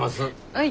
はい。